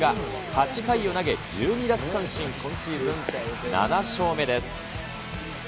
８回を投げ、１２奪三振、今シーズン７勝目です。